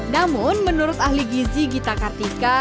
namun menurut ahli gizi gita kartika